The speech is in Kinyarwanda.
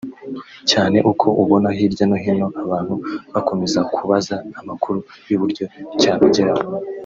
cyane uko ubona hirya no hino abantu bakomeza kubaza amakuru y’uburyo cyabageraho